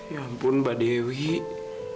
ya ampun mbak dewi mbak dewi kok kayak gini sih